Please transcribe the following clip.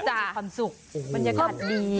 มันจะมีความสุขมันจะขัดดี